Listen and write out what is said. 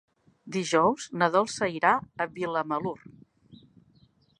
Dijous na Dolça irà a Vilamalur.